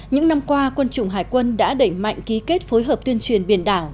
những năm qua quân chủng hải quân đã đẩy mạnh ký kết phối hợp tuyên truyền biển đảo